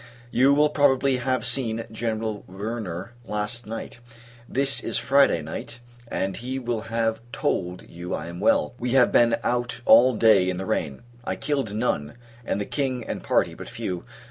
You will probably have seen General Werner last night; this is Friday night, and he will have told you I am well. We have been out all day in the rain; I killed none, and the King and party but few.